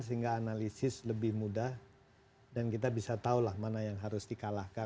sehingga analisis lebih mudah dan kita bisa tahu lah mana yang harus dikalahkan